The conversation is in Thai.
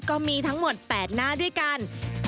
ก็มีทั้งหมด๘หน้าด้วยกัน